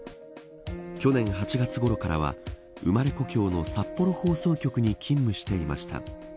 去年８月ごろからは生まれ故郷の札幌放送局に勤務していました。